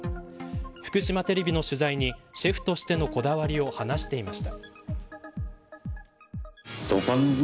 福島テレビの取材にシェフとしてのこだわりを話していました。